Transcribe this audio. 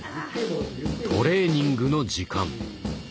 トレーニングの時間。